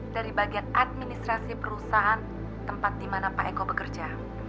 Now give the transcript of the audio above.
dari bagian administrasi perusahaan tempat di mana pak eko bekerja